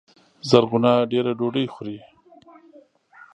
زرغونه دېره ډوډۍ خوري